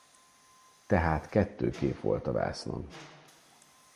Tehát kettő kép volt a vásznon.